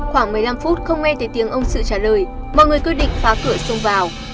khoảng một mươi năm phút không nghe thấy tiếng ông sự trả lời mọi người quyết định phá cửa sông vào